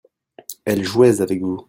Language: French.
elle jouait avec vous.